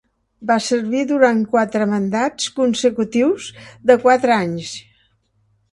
Va servir durant quatre mandats consecutius de quatre anys.